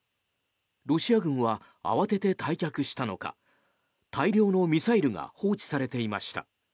ロシア軍は慌てて退却したのか大量のミサイルが放置されていました。